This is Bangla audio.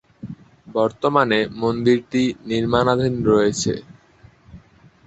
বর্তমানে মন্দিরটি নির্মাণাধীন রয়েছে।